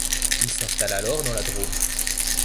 Il s'installe alors dans la Drôme.